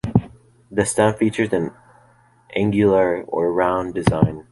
The stem features an angular or round design.